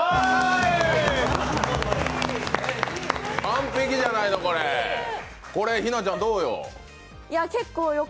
完璧じゃないの、これ、ひなちゃん、どうよ。